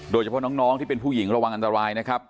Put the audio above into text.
โดยเฉพาะน้องที่เป็นผู้หญิงระวังอันตรายนะครับ